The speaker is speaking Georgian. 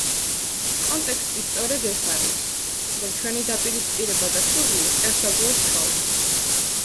კონტექსტი სწორედ ეს არის, რომ ჩვენი დაპირისპირება და შუღლი მტერს აძლევს ხელს.